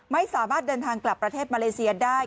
ไม่สามารถเดินทางกลับประเทศมาเลเซียได้